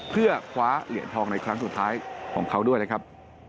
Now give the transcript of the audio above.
เพื่อคว้าเหรียญทองในครั้งสุดท้ายของเขาด้วยนะครับ